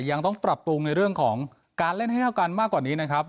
ยังต้องปรับปรุงในเรื่องของการเล่นให้เท่ากันมากกว่านี้นะครับ